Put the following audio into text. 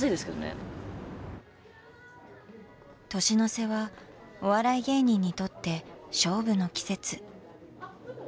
年の瀬はお笑い芸人にとって勝負の季節。